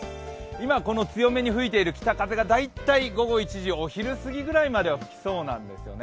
今この強めに吹いている北風が大体午後１時、お昼過ぎくらいまでは吹きそうなんですよね。